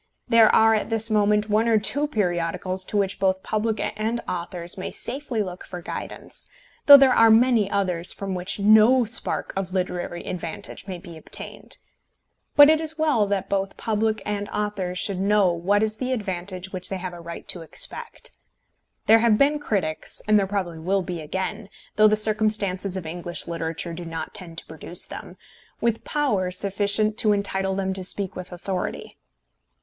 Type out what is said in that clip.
There are at this moment one or two periodicals to which both public and authors may safely look for guidance, though there are many others from which no spark of literary advantage may be obtained. But it is well that both public and authors should know what is the advantage which they have a right to expect. There have been critics, and there probably will be again, though the circumstances of English literature do not tend to produce them, with power sufficient to entitle them to speak with authority.